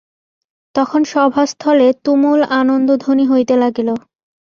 তখন সভাস্থলে তুমুল আনন্দধ্বনি হইতে লাগিল।